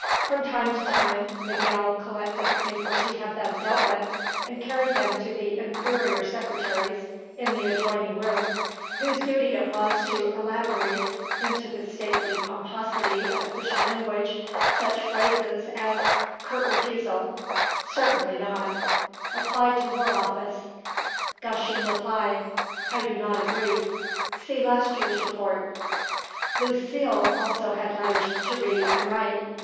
From time to time Miguel collected the papers he had thus dealt with and carried them to the inferior secretaries in the adjoining room, whose duty it was to elaborate into the stately pomposity of official language such phrases as "Curt Refusal" "Certainly not" "Apply to War Office" "Gushing Reply" "I do not agree" "See last year's Report." Lucile also had letters to read and write.